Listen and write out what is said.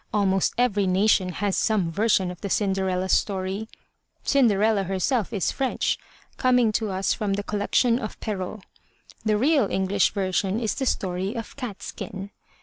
Almost every nation has some version of the Cinderella story. Cinderella herself is French, coming to us from the collection of Perrault. The real English version is the story of Catskin.